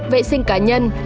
vệ sinh cá nhân